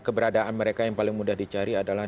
keberadaan mereka yang paling mudah dicari adalah